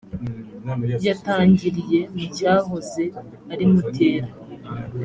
yatangiriye mu cyahoze ari mutera